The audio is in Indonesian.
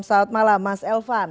selamat malam mas elvan